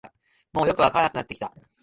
もうよくわからなくなってきた